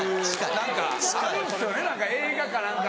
何か映画か何かが。